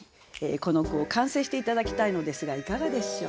この句を完成して頂きたいのですがいかがでしょう。